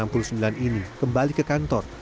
di kampung ini penyelamatnya berada di kantor